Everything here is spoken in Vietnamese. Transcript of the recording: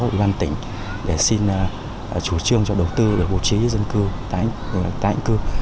với đoàn tỉnh để xin chủ trương cho đầu tư để hủ trí dân cư tái ảnh cư